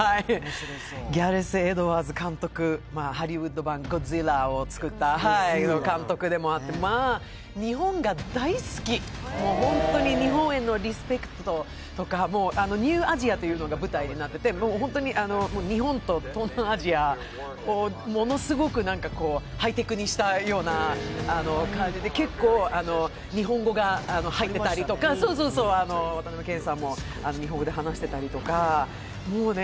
ギャレス・エドワーズ監督、ハリウッド版「ＧＯＤＺＩＬＬＡ」を作った監督でもあって、日本が大好き、本当に日本へのリスペクトとかニューアジアというのが舞台になっていて本当に日本と東南アジアをものすごくハイテクにしたような感じで、結構、日本語が入ってたりとか、渡辺謙さんも日本語で話してたりとか。